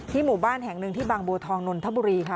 หมู่บ้านแห่งหนึ่งที่บางบัวทองนนทบุรีค่ะ